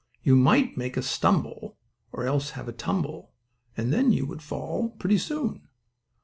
You might make a stumble or else have a tumble, And then you would fall pretty soon.